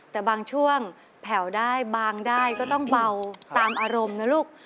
แต่บางช่วงแผ่วได้บางได้ก็ต้องเบาตามอารมณ์นะลูก